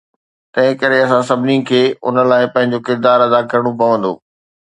تنهنڪري اسان سڀني کي ان لاءِ پنهنجو ڪردار ادا ڪرڻو پوندو.